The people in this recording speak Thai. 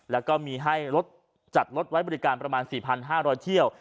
แล้วก็มีให้รถจัดรถไว้บริการประมาณ๔๕๐๐เที่ยว